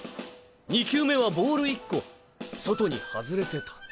２球目はボール１個外に外れてた。